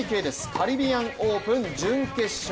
カリビアン・オープン準決勝。